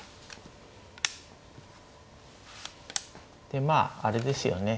でまああれですよね